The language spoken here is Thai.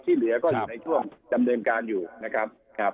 ที่เหลือก็อยู่ในช่วงดำเนินการอยู่นะครับครับ